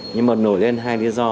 nhưng mà nổi lên hai lý do